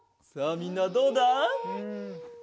さあみんなどうだ？